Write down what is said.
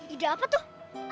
ide apa tuh